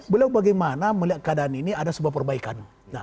beliau bagaimana melihat keadaan ini ada sebuah perbaikan